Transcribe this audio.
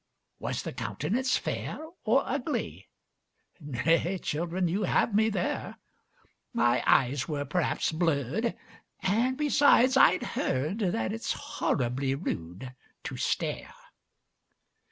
Was the countenance fair or ugly? Nay, children, you have me there! My eyes were pŌĆÖhaps blurrŌĆÖd; and besides I ŌĆÖd heard That it ŌĆÖs horribly rude to stare.